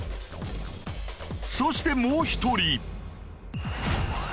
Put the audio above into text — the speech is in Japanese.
そしてもう一人。